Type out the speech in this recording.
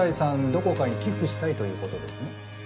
どこかに寄付したいという事ですね。